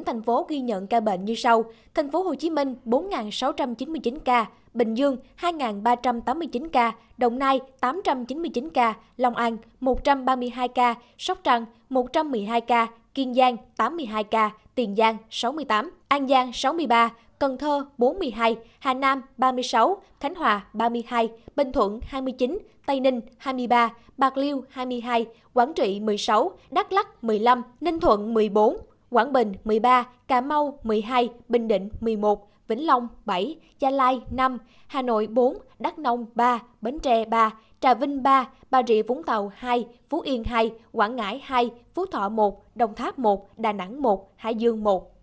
hà nam ba mươi sáu khánh hòa ba mươi hai bình thuận hai mươi chín tây ninh hai mươi ba bạc liêu hai mươi hai quảng trị một mươi sáu đắk lắc một mươi năm ninh thuận một mươi bốn quảng bình một mươi ba cà mau một mươi hai bình định một mươi một vĩnh long bảy gia lai năm hà nội bốn đắk nông ba bến tre ba trà vinh ba bà rịa vũng tàu hai phú yên hai quảng ngãi hai phú thọ một đồng tháp một đà nẵng một hải dương một